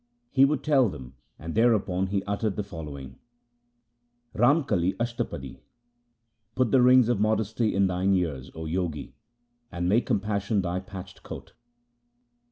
He would tell them, and thereupon he uttered the following :— Ramkali Ashtapadi Put the rings of modesty in thine ears, O Jogi, and make compassion thy patched coat.